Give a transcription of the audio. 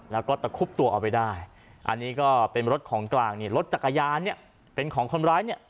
แล้วก็ตะคุบตัวเอาไปได้อันนี้ก็เป็นรถของกลางนี่รถจักรยานเนี่ยเป็นของคนร้ายเนี่ย